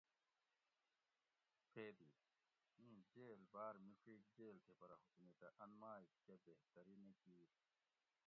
قیدی: اِیں جیل بار مِڄیگ جیل تھی پرہ حکومیتہ اَن مائ کہ بہتری نہ کِیت